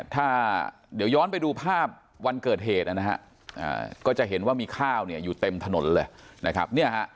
ถ้าเดี๋ยวย้อนไปดูภาพวันเกิดเหตุนะฮะก็จะเห็นว่ามีข้าวเนี่ยอยู่เต็มถนนเลยนะครับ